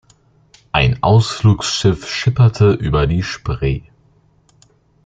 Ein Ausflugsschiff schipperte über die Spree.